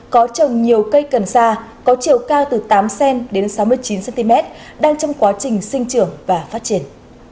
có trồng nhiều cây cần sa có chiều cao từ tám cm đến sáu mươi chín cm đang trong quá trình sinh trưởng và phát triển